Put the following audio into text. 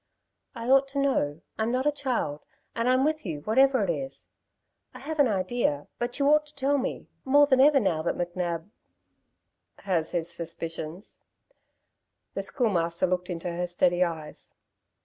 "I ought to know. I'm not a child, and I'm with you whatever it is. I have an idea; but you ought to tell me, more than ever now that McNab " "Has his suspicions." The Schoolmaster looked into her steady eyes.